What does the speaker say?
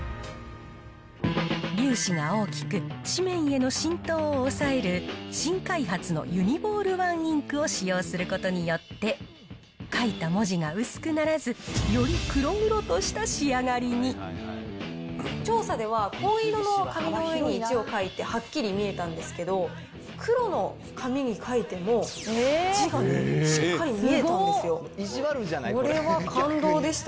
粒子が大きく、紙面への浸透を抑える新開発のユニボールワンインクを使用することによって、書いた文字が薄くならず、より黒々とした仕上がりに調査では、紺色の紙の上に字を書いてはっきり見えたんですけど、黒の紙に書いても、字がしっかり見えたんですよ。